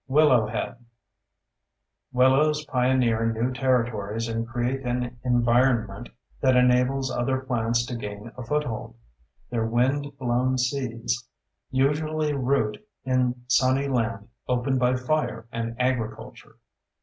Willow Head Willows pioneer new territories and create an environment that enables other plants to gain a foothold. Their windblown seeds usually root in sunny land opened by fire and agriculture.